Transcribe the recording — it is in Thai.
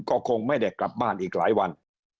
ก็คงไม่ได้กลับบ้านอีกหลายวัน